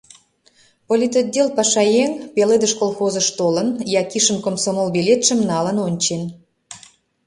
Политотдел пашаеҥ «Пеледыш» колхозыш толын, Якишын комсомол билетшым налын ончен.